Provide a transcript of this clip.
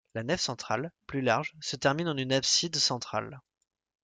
La nef centrale, plus large, se termine en une abside centrale.